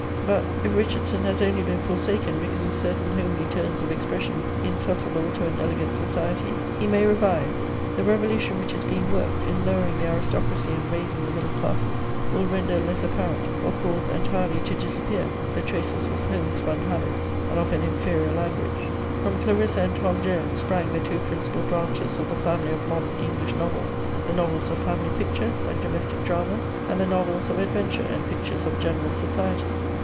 But, if Richardson has only been forsaken because of certain homely turns of expression, insufferable to an elegant society, he may revive: the revolution which is being worked, in lowering the aristocracy and raising the middle classes, will render less apparent, or cause entirely to disappear, the traces of homespun habits and of an inferior language. From Clarissa and Tom Jones sprang the two principal branches of the family of modern English novels: the novels of family pictures and domestic dramas, and the novels of adventure and pictures of general society.